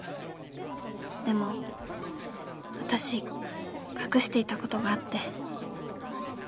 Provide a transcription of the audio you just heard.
「でも私隠していた事があって」